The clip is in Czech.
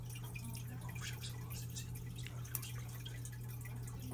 Nemohu však souhlasit s jedním z návrhů zpravodaje.